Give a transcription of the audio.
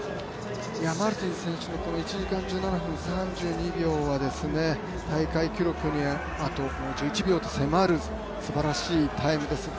マルティン選手の１時間１７分３２秒は大会記録にあと１１秒と迫るすばらしいタイムです。